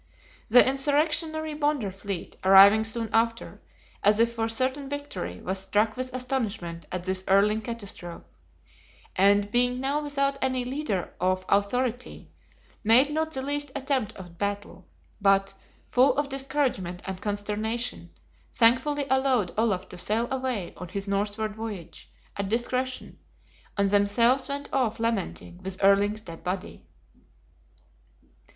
The insurrectionary Bonder fleet arriving soon after, as if for certain victory, was struck with astonishment at this Erling catastrophe; and being now without any leader of authority, made not the least attempt at battle; but, full of discouragement and consternation, thankfully allowed Olaf to sail away on his northward voyage, at discretion; and themselves went off lamenting, with Erling's dead body.